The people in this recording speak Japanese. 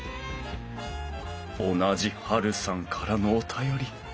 同じはるさんからのお便り。